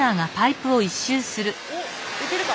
おっいけるか。